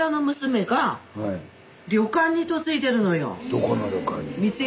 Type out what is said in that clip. どこの旅館に？